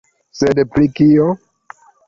Sed pri kio?